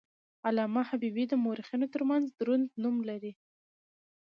علامه حبیبي د مورخینو ترمنځ دروند نوم لري.